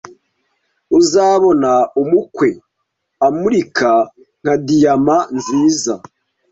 uzabona umukwe amurika nka diyama nziza